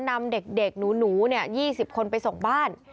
นำเด็กหนู๒๐คนไปส่งบ้าน